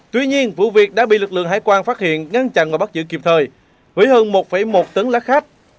tuy nhiên vụ việc đã bị lực lượng hải quan phát hiện ngăn chặn và bắt giữ kịp thời với hơn một một tấn lá khát